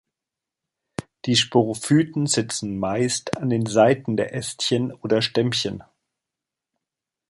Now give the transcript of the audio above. Die Sporophyten sitzen meist an den Seiten der Ästchen oder Stämmchen.